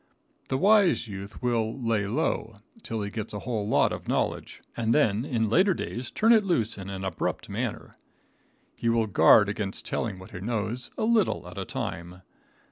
The wise youth will "lay low" till he gets a whole lot of knowledge, and then in later days turn it loose in an abrupt manner. He will guard against telling what he knows, a little at a time.